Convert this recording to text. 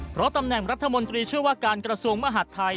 เพราะตำแหน่งรัฐมนตรีเชื่อว่าการกระทรวงมหาดไทย